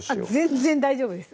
全然大丈夫です